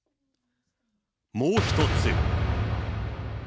もう一つ。